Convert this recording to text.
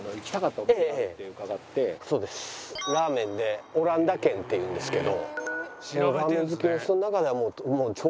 ラーメンでオランダ軒っていうんですけど。